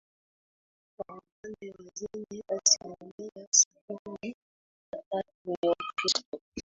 Kwa upande wa dini asilimia sabini na tatu ni Wakristo